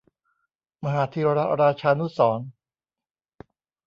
มหาธีรราชานุสรณ์